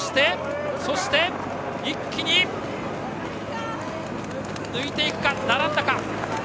そして、一気に抜いていくか、並んだか。